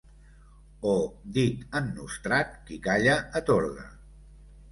O, dit en nostrat: qui calla atorga.